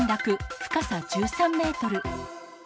深さ１３メートル。